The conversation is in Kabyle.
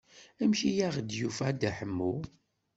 Amek ay aɣ-d-yufa Dda Ḥemmu?